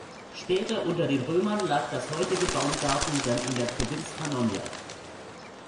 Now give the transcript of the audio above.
Später unter den Römern lag das heutige Baumgarten dann in der Provinz Pannonia.